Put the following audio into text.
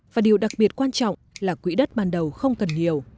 và điều đặc biệt quan trọng là quỹ đất ban đầu không cần nhiều